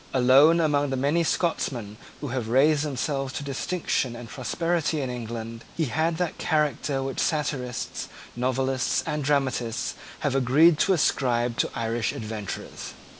Alone among the many Scotchmen who have raised themselves to distinction and prosperity in England, he had that character which satirists, novelists, and dramatists have agreed to ascribe to Irish adventurers.